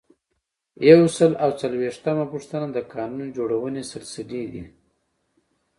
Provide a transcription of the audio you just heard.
یو سل او څلویښتمه پوښتنه د قانون جوړونې سلسلې دي.